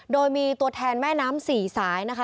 โดยมีตัวแทนแม่น้ำสี่สายนะคะ